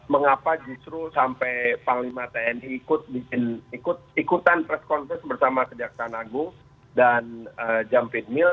mengapa justru sampai panglima tni ikut ikutan press conference bersama kedak sanagu dan jam fitmil